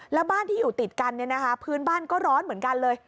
แล้วบ้านที่อยู่ติดกันพื้นบ้านก็ร้อนเหมือนกันเลย